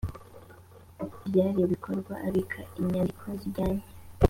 nyir ibikorwa abika inyandiko zijyanye